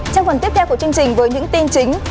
trong phần tiếp theo của chương trình với những tin chính